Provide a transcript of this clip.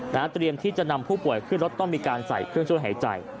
เตรียมที่จะนำผู้ป่วยขึ้นรถต้องมีการใส่เครื่องช่วยหายใจ